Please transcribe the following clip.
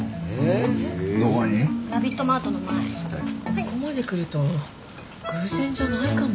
ここまでくると偶然じゃないかも。